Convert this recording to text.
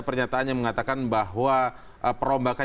pernyataan yang mengatakan bahwa perombakan